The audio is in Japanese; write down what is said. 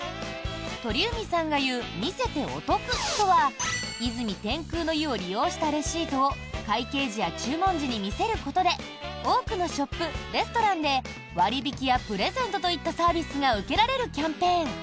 鳥海さんが言う見せてお得とは泉天空の湯を利用したレシートを会計時や注文時に見せることで多くのショップ、レストランで割引やプレゼントといったサービスが受けられるキャンペーン。